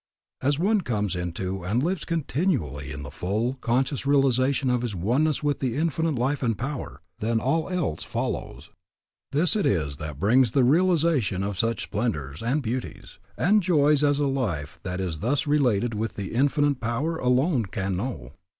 As one comes into and lives continually in the full, conscious realization of his oneness with the Infinite Life and Power, then all else follows. This it is that brings the realization of such splendors, and beauties, and joys as a life that is thus related with the Infinite Power alone can know.